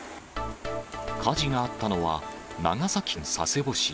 火事があったのは、長崎県佐世保市。